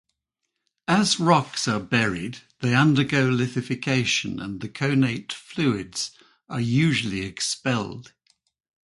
As rocks are buried, they undergo lithification and the connate fluids are usually expelled.